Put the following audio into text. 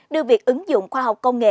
đưa việc ứng dụng khoa học công nghệ